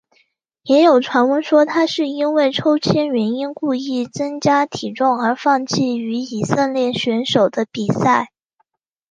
也有传闻说他是因为抽签原因故意增加体重而放弃与以色列选手的比赛。